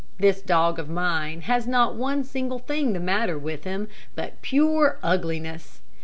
This dog of mine has not one single thing the matter with him but pure ugliness.